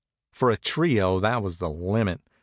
For a trio that was the limit.